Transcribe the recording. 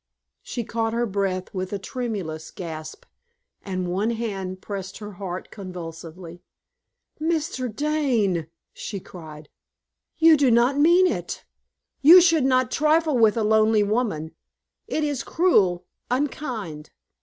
She caught her breath with a tremulous gasp, and one hand pressed her heart convulsively. "Mr. Dane," she cried, "you do not mean it! You should not trifle with a lonely woman; it is cruel, unkind."